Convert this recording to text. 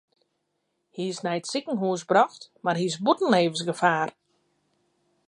Hy is nei it sikehús brocht mar hy is bûten libbensgefaar.